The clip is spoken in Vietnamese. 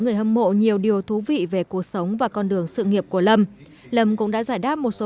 người hâm mộ nhiều điều thú vị về cuộc sống và con đường sự nghiệp của lâm lâm cũng đã giải đáp một số